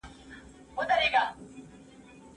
موږ ډېر اتڼ وړاندي کړ.